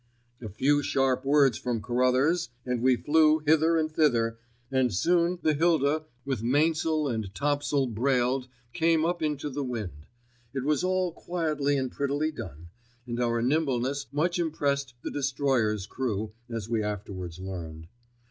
A few sharp words from Carruthers and we flew hither and thither, and soon the Hilda with mains'l and tops'l brailed came up into the wind. It was all quietly and prettily done, and our nimbleness much impressed the destroyer's crew, as we afterwards learned.